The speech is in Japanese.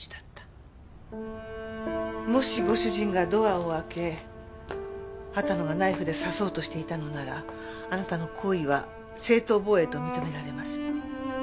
もしご主人がドアを開け秦野がナイフで刺そうとしていたのならあなたの行為は正当防衛と認められます。